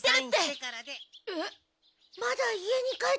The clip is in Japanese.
えっ？